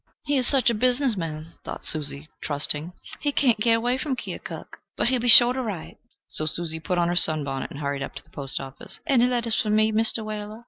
"He is such a businessman," thought trusting Susan, "he can't get away from Keokuk. But he'll be sure to write." So Susie put on her sun bonnet and hurried up to the post office: "Any letters for me, Mr. Whaler?"